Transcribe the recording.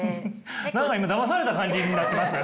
何か今だまされた感じになってますよ。